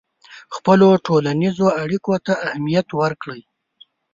خپلو ټولنیزو اړیکو ته اهمیت ورکړئ.